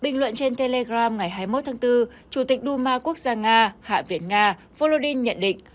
nhưng trên telegram ngày hai mươi một tháng bốn chủ tịch duma quốc gia nga hạ viện nga volodin nhận định